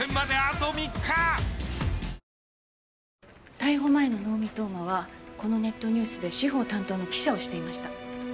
逮捕前の能見冬馬はこのネットニュースで司法担当の記者をしていました。